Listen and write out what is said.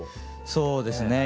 そうですね